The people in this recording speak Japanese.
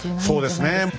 そうですね。